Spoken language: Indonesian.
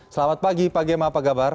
selamat pagi pak gemma apa kabar